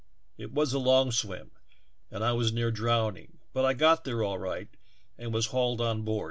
It was a long swim, was near drowning, but I got all right and was hauled on board.